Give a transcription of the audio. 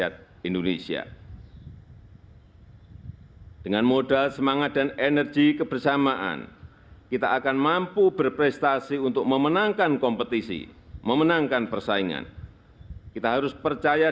tanda kebesaran buka hormat senjata